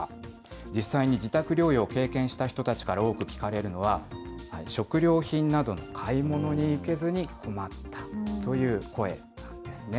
実際に自宅療養を経験した人たちから多く聞かれるのは、食料品などの買い物に行けずに困ったという声なんですね。